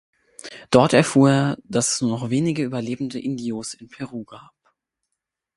Dort erfuhr er, dass es nur noch wenige überlebende Indios in Peru gab.